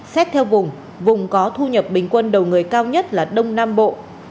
xét theo vùng vùng có thu nhập bình quân đầu người cao nhất là đông nam bộ